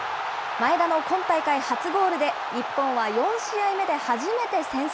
前田の今大会初ゴールで、日本は４試合目で初めて先制。